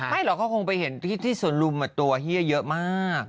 หรอกเขาคงไปเห็นที่สวนลุมตัวเฮียเยอะมาก